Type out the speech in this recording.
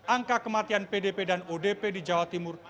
angka kematian pdp dan odp di jawa timur